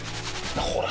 ほら！